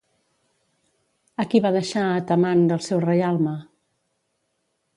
A qui va deixar Atamant el seu reialme?